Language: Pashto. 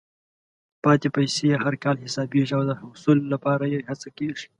پاتې پیسې هر کال حسابېږي او د حصول لپاره یې هڅه کېږي.